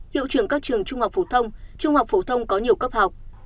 hiệu trưởng các trường trung học phổ thông trung học phổ thông có nhiều cấp học